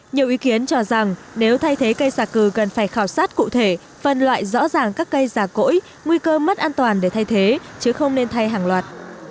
nhiều ý kiến cho rằng nếu thay thế cây xà cừ cần phải khảo sát cụ thể phân loại rõ ràng các cây già cỗi nguy cơ mất an toàn để thay thế chứ không nên thay hàng loạt